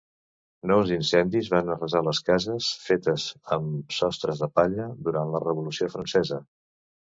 Nous incendis van arrasar les cases, fetes amb sostres de palla, durant la Revolució Francesa.